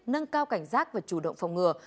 nâng cao cảnh giác và chủ động phòng ngừa